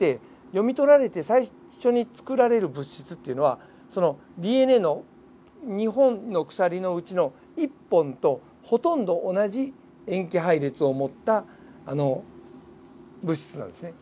読み取られて最初に作られる物質っていうのはＤＮＡの２本の鎖のうちの１本とほとんど同じ塩基配列を持った物質なんですね。